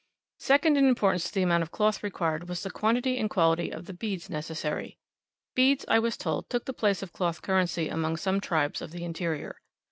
Second in importance to the amount of cloth required was the quantity and quality of the beads necessary. Beads, I was told, took the place of cloth currency among some tribes of the interior.